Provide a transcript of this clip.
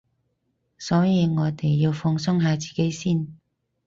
所以我哋要放鬆下自己先